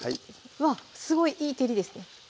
うわっすごいいい照りですね